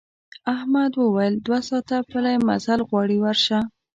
احمد وویل دوه ساعته پلی مزل غواړي ورشه.